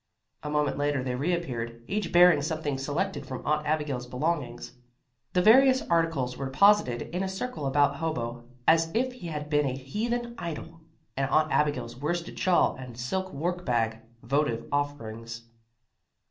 A moment later they reappeared, each bearing something selected from Aunt Abigail's belongings. The various articles were deposited in a circle about Hobo, as if he had been a heathen idol, and Aunt Abigail's worsted shawl and silk work bag, votive offerings.